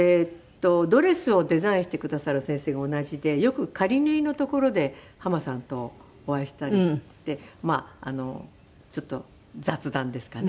ドレスをデザインしてくださる先生が同じでよく仮縫いの所で浜さんとお会いしたりしてまあちょっと雑談ですかね